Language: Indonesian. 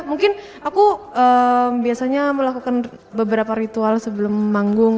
mungkin aku biasanya melakukan beberapa ritual sebelum manggung